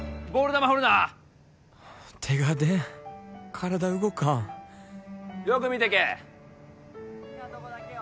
球振るな手が出ん体動かんよく見てけ・好きなとこだけよ